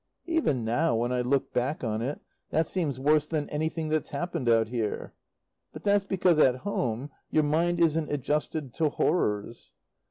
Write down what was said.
Even now, when I look back on it, that seems worse than anything that's happened out here. But that's because at home your mind isn't adjusted to horrors.